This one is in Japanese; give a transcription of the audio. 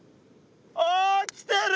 ああ来てる！